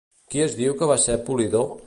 Qui es diu que va ser Polidor?